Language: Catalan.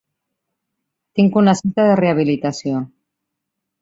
Tinc una cita de rehabilitació.